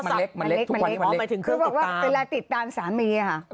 เล็กมันเล็กคือบอกว่าเวลาติดตามสามีค่ะ